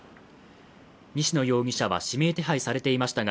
西野容疑者は指名手配されていましたが、